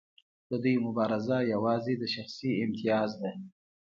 د دوی مبارزه یوازې د شخصي امتیاز ده.